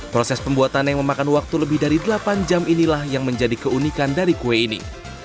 proses pembuatan yang memakan waktu lebih dari delapan jam inilah yang menjadi keunikan dari kue ini